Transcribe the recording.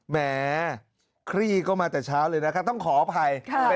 แหมคลี่ก็มาแต่เช้าเลยนะคะต้องขออภัย